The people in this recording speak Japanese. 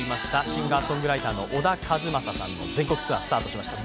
シンガーソングライターの小田和正さんの全国ツアー、スタートしました。